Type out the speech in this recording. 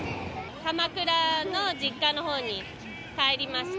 鎌倉の実家のほうに帰りました。